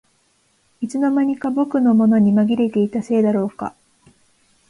いつの間にか僕のものにまぎれていたせいだろうか